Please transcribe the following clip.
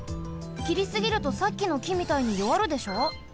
きりすぎるとさっきのきみたいによわるでしょ。